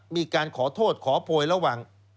มีการขอโทษขอโพยระหว่าง